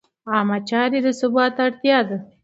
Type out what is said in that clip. عامه چارې د ثبات اړتیا ده.